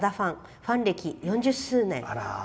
ファン歴、四十数年。